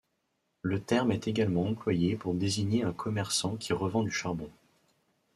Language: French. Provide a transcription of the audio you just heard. Le terme est également employé pour désigner un commerçant qui revend du charbon.